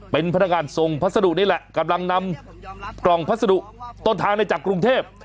เป็นพนักงานส่งพัสดุนี่แหละกำลังนำกล่องพัสดุต้นทางในจากกรุงเทพ